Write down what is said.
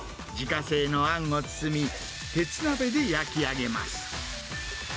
自家製のあんを包み、鉄鍋で焼き上げます。